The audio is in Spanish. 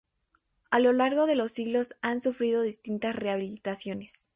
A lo largo de los siglos ha sufrido distintas rehabilitaciones.